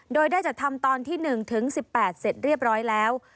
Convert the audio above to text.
โดยได้จัดทำตอนที่๑ถึง๑๘เสร็จเรียบร้อยแล้ว